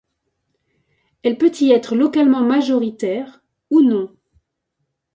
Elle peut y être localement majoritaire, ou non.